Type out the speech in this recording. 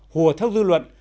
hùa theo dư luận